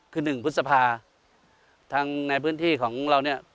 คือหนึ่งพุทธภาพทั้งในพื้นที่ของเรา